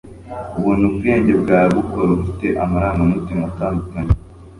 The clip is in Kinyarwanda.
ubona ubwenge bwawe bukora ufite amarangamutima atandukanye